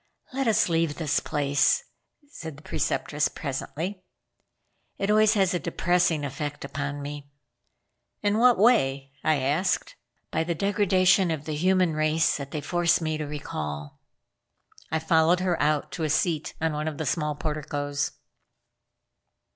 "Let us leave this place," said the Preceptress presently. "It always has a depressing effect upon me." "In what way?" I asked. "By the degradation of the human race that they force me to recall." I followed her out to a seat on one of the small porticoes.